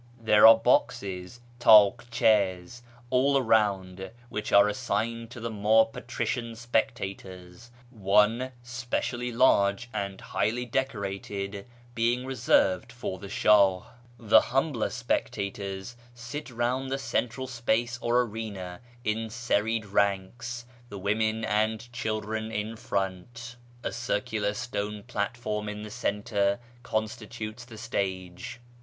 There are boxes (tdkcMs) all round, which are iSsigned to the more patrician spectators, one, specially large and highly decorated, being reserved for the Shah. The 552 A YEAR AMONGST THE PERSIANS huiiibler spectators sit ixniiid llic central space or arena in serried ranks, the women nml cliildren in I'ront. A circular stone platform in the centre constitutes tlie stnge.